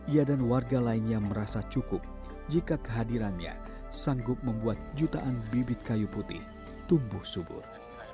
ia dan warga lainnya merasa cukup jika kehadirannya sanggup membuat jutaan bibit kayu putih tumbuh subur